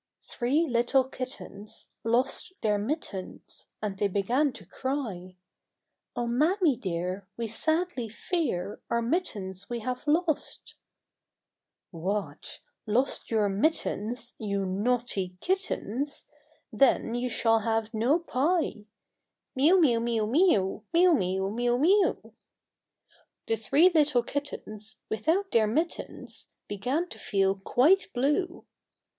THREE little kittens Lost their mittens, And they began to cry, " Oh, mammy dear, we sadly fear Our mittens we have lost !"" What ! lost your mittens, You naughty kittens, Then you shall have no pie !" Miew, miew, miew, miew, Miew, miew, miew, miew. The three little kittens, without their mittens, Began to feel quite blue.